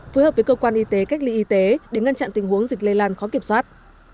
phối hợp với cơ quan y tế cách ly y tế để ngăn chặn tình huống dịch lây lan khó kiểm soát